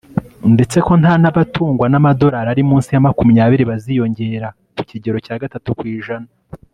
ndetse ko n' abatungwa n' amadorali ari munsi ya makumyabiri baziyongera ku kigero cya gatatu kw'ijana